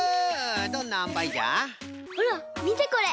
ほらみてこれ。